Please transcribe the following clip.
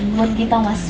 buat kita mas